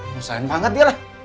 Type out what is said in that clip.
nusahin banget dia lah